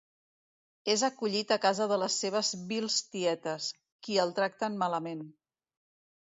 És acollit a casa de les seves vils tietes, qui el tracten malament.